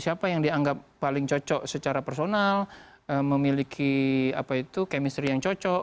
siapa yang dianggap paling cocok secara personal memiliki chemistry yang cocok